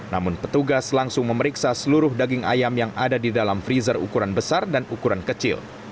namun petugas langsung memeriksa seluruh daging ayam yang ada di dalam freezer ukuran besar dan ukuran kecil